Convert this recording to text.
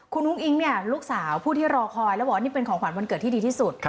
คุณอุ้งอิ๊งเนี่ยลูกสาวผู้ที่รอคอยแล้วบอกว่านี่เป็นของขวัญวันเกิดที่ดีที่สุด